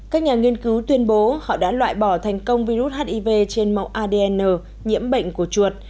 các nhà nghiên cứu tuyên bố họ đã loại bỏ thành công virus hiv trên mẫu adn nhiễm bệnh của chuột